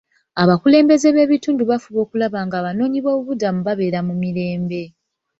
Abakulembeze b'ebitundu baafuba okulaba nga abanoonyiboobubudamu babeera mu mirembe.